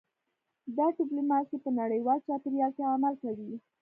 دا ډیپلوماسي په نړیوال چاپیریال کې عمل کوي